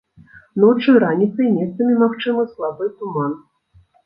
Ноччу і раніцай месцамі магчымы слабы туман.